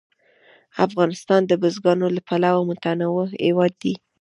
افغانستان د بزګانو له پلوه متنوع هېواد دی.